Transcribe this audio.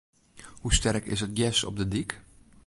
Hoe sterk is it gjers op de dyk?